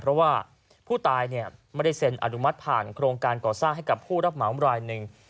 เพราะว่าผู้ตายไม่ได้เซ็นอนุมัติผ่านโครงการก่อสร้างให้กับผู้รับเหมารายหนึ่ง